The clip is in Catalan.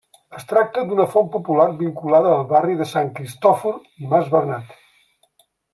Es tracta d'una font popular vinculada al barri de Sant Cristòfor i mas Bernat.